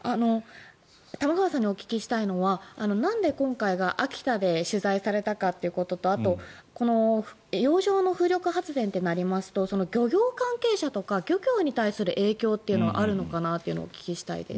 玉川さんにお聞きしたいのはなんで今回秋田で取材されたかということとあと、洋上の風力発電となりますと漁業関係者とか漁業に対する影響というのはあるのかなということをお聞きしたいです。